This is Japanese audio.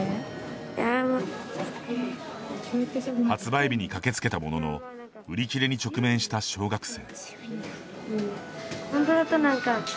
発売日に駆けつけたものの売り切れに直面した小学生。